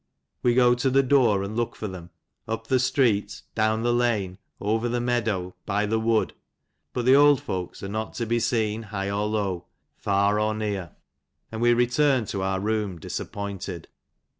We go to the door and look for them; up the street, down the lane, over the meadow, by the wood ; but the old folks are not to be seen high or low, fax ot weax ', «cj^ ^^ x^^Nscsrc^xa xn. our room disappointed.